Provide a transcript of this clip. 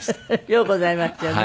ようございましたよね。